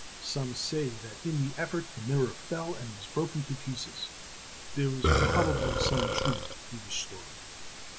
Some say that in the effort the mirror fell and was broken to pieces ; there is probably some truth to the story.